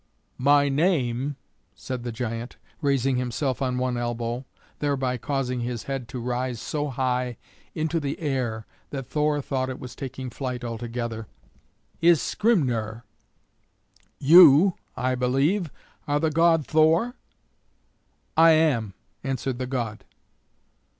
"My name," said the giant, raising himself on one elbow, thereby causing his head to rise so high into the air that Thor thought it was taking flight altogether, "is Skrymner; you, I believe, are the god Thor?" "I am," answered the god.